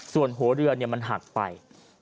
ส่วนหัวเรือมันหักไป